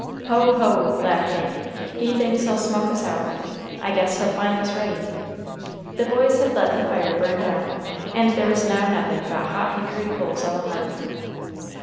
"Ho! ho!" laughed Hank, "he thinks he'll smoke us out. I guess he'll find us ready." The boys had let the fire burn down, and there was now nothing but hot hickory coals on the hearth.